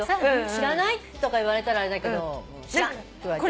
「知らない」とか言われたらあれだけど「知らん！」って言われたらね。